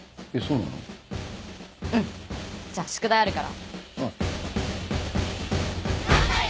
うんじゃ宿題あるから。